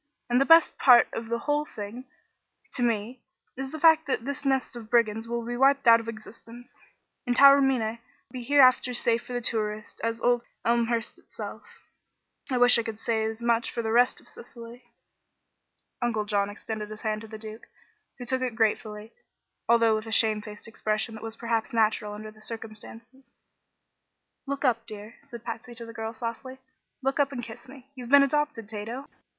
"And the best part of the whole thing, to me, is the fact that this nest of brigands will be wiped out of existence, and Taormina be hereafter as safe for tourists as old Elmhurst itself. I wish I could say as much for the rest of Sicily." Uncle John extended his hand to the Duke, who took it gratefully, although with a shamefaced expression that was perhaps natural under the circumstances. "Look up, dear," said Patsy to the girl, softly; "look up and kiss me. You've been adopted, Tato!